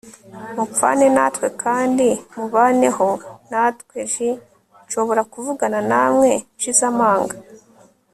mupfane natwe kandi mubaneho natwe j Nshobora kuvugana namwe nshize amanga